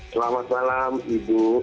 selamat malam ibu